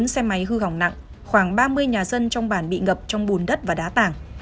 bốn xe máy hư hỏng nặng khoảng ba mươi nhà dân trong bản bị ngập trong bùn đất và đá tảng